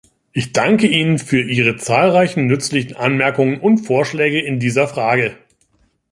Ich danke Ihnen für Ihre zahlreichen nützlichen Anmerkungen und Vorschläge in dieser Frage.